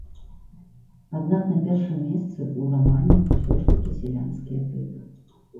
Аднак на першым месцы ў рамане ўсё ж такі сялянскія тыпы.